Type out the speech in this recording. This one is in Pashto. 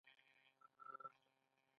د لهجو رنګونه ژبه ښکلې کوي.